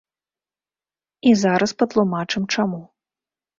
І зараз патлумачым чаму.